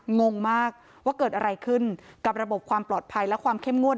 งงมากว่าเกิดอะไรขึ้นกับระบบความปลอดภัยและความเข้มงวด